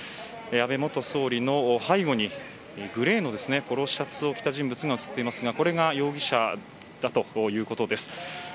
安倍元総理の背後にグレーのポロシャツを着た人物が映っていますがこれが容疑者だということです。